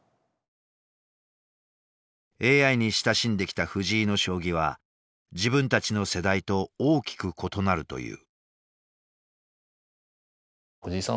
ＡＩに親しんできた藤井の将棋は自分たちの世代と大きく異なるという。